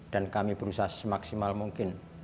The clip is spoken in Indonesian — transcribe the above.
dan kami berusaha semaksimal mungkin